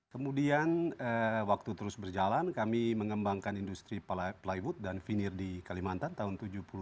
kemudian waktu terus berjalan kami mengembangkan industri plywood dan venir di kalimantan tahun seribu sembilan ratus tujuh puluh lima